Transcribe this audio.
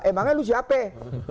emangnya lu siapai